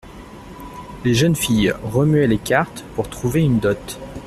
Les jeunes filles remuaient les cartes pour trouver une dot.